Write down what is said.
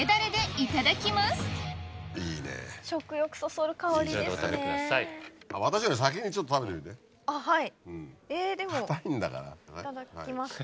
いただきますはい。